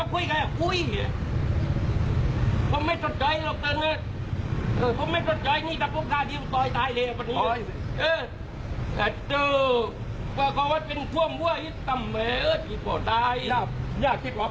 ไปกินมีมากเลย